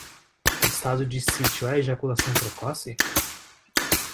Estado de sítio é ejaculação precoce?